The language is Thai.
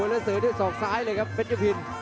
โอ้โหและสืบที่สอกซ้ายเลยครับเพชรยุพิน